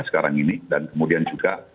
sekarang ini dan kemudian juga